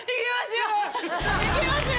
行きますよ！